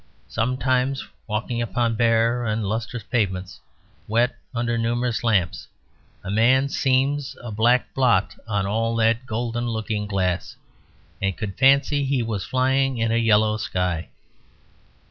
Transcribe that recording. Sometimes walking upon bare and lustrous pavements, wet under numerous lamps, a man seems a black blot on all that golden looking glass, and could fancy he was flying in a yellow sky.